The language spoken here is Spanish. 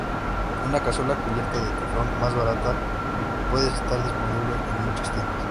Una cazuela cubierta de teflón, más barata, puede estar disponible en muchas tiendas.